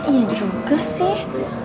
iya juga sih